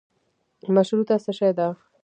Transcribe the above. مشروطه څشي ده.